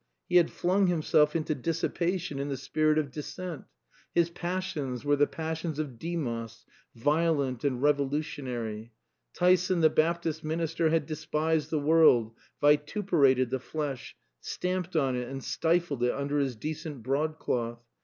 He had flung himself into dissipation in the spirit of dissent. His passions were the passions of Demos, violent and revolutionary. Tyson the Baptist minister had despised the world, vituperated the flesh, stamped on it and stifled it under his decent broadcloth.